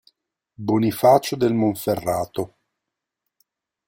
Bonifacio del Monferrato